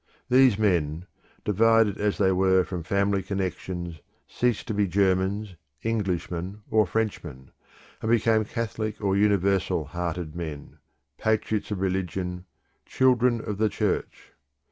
These men, divided as they were from family connections, ceased to be Germans, Englishmen, or Frenchmen, and became catholic or universal hearted men, patriots of religion, children of the Church.